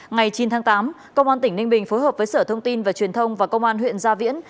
ngày chín tháng tám công an tỉnh ninh bình phối hợp với sở thông tin và truyền thông và công an huyện gia viễn